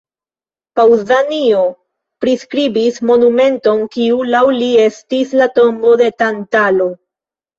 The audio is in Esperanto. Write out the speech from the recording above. Paŭzanio priskribis monumenton kiu, laŭ li, estis la tombo de Tantalo.